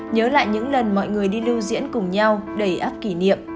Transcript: nhớ lại những lần mọi người đi lưu diễn cùng nhau đầy áp kỷ niệm